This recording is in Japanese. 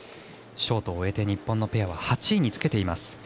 ショートを終えて日本のペアは８位につけています。